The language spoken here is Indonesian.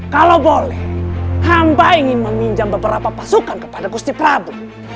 kalau boleh hamba ingin meminjam beberapa pasukan kepada gusti prabu